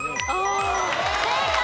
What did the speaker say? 正解。